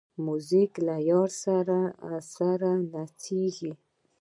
موزیک له یار سره نڅېږي.